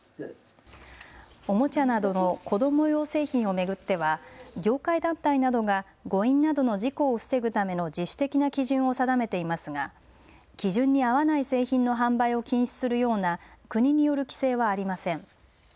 おもちゃなどの子ども用製品を巡っては業界団体などが誤飲などの事故を防ぐための自主的な基準を定めていますが基準に合わない製品の販売を禁止するような国による規制はありません。